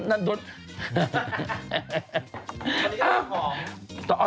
ไม่เอา